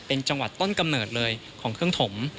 เป็นจังหวัดต้นกำเนิดเลยของเครื่องถม